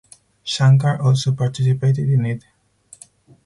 Shankar also participated in it.